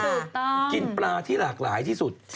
จริงต้องกินปลาที่หลากหลายที่สุด